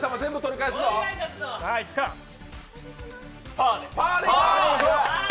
パーで。